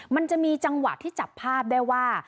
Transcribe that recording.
มันจะมีจังหวะที่จับภาพได้ว่า